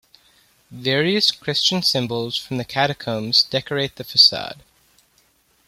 Various Christian symbols from the catacombs decorate the facade.